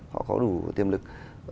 họ có đủ tiềm lực